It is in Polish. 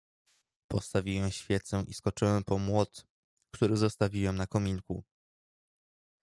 "Postawiłem świecę i skoczyłem po młot, który zostawiłem na kominku."